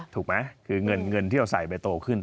ถูกไหมคือเงินที่เราใส่ไปโตขึ้น